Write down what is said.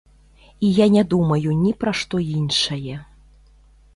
І я не думаю ні пра што іншае.